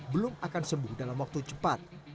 belum akan sembuh dalam waktu cepat